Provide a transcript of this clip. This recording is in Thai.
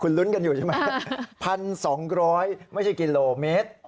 คุณลุ้นกันอยู่ใช่ไหมพันสองร้อยไม่ใช่กิโลเมตร